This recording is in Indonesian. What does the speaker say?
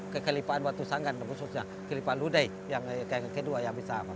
kekalipaan batu sanggan khususnya kelipaan ludai yang kedua